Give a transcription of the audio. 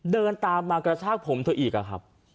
เดินตามมากระชากผมเธออีกอะครับ